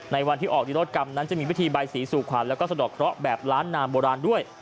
ในวันที่ออกนิรกรรมนั้นจะมีวิธีใบสีสู่ขวัญแล้วก็สะดอกเคราะห์แบบล้านนามโบราณด้วย